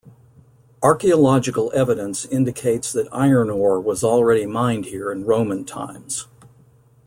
Archaeological evidence indicates that iron ore was already mined here in Roman times.